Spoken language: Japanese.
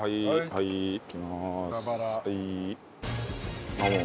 はい。